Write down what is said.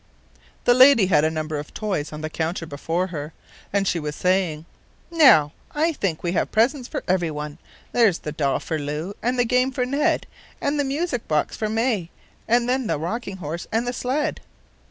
The lady had a number of toys on the counter before her, and she was saying: "Now I think we have presents for every one: There's the doll for Lou, and the game for Ned, and the music box for May; and then the rocking horse and the sled."